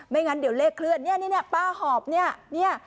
ไม่งั้นเดี๋ยวเลขเคลื่อนเนี่ยเนี่ยป้าหอบเนี่ยเนี่ย